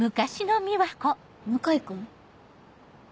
向井君？